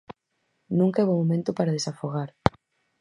Nunca é bo momento para desafogar.